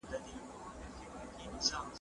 لیکوالانو نوي کتابونه چاپول.